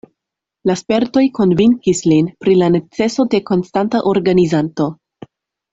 La spertoj konvinkis lin pri la neceso de konstanta organizanto.